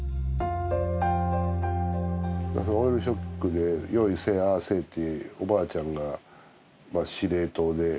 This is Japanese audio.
そのオイルショックで「用意せいああせい」っておばあちゃんが司令塔で。